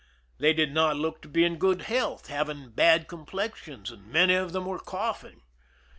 They did not look to be in good health, having bad com plexions, and many of them were coughing.